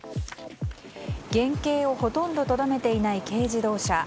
原形をほとんどとどめていない軽乗用車。